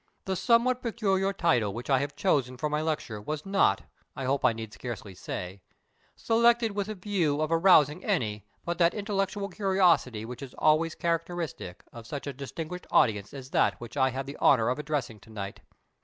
"The somewhat peculiar title which I have chosen for my lecture was not, I hope I need scarcely say, selected with a view of arousing any but that intelligent curiosity which is always characteristic of such a distinguished audience as that which I have the honour of addressing to night.